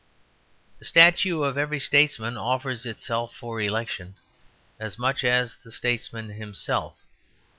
The statue of every statesman offers itself for election as much as the statesman himself.